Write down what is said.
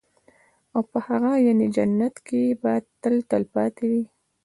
او په هغه يعني جنت كي به تل تلپاتي وي